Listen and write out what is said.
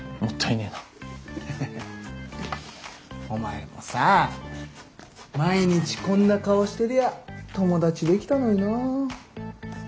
お前もさ毎日こんな顔してりゃ友達できたのにな。